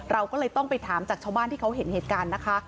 เราก็เลยต้องไปถามจากชาวบ้านที่เขาเห็นเหตุการณ์นะคะ